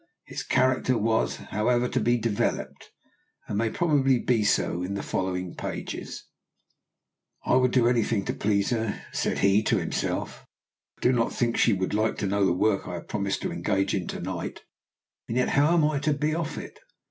His character was, however, to be developed, and may probably be so in the following pages. "I would do any thing to please her," he said to himself. "I do not think she would like to know the work I have promised to engage in to night, and yet how am I to be off it?